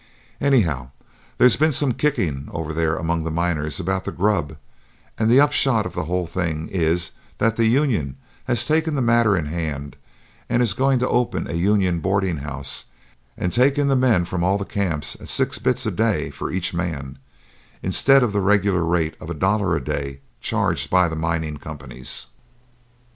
Anyhow, there's been some kicking over there among the miners about the grub, and the upshot of the whole thing is that the union has taken the matter in hand and is going to open a union boarding house and take in the men from all the camps at six bits a day for each man, instead of the regular rate of a dollar a day charged by the mining companies."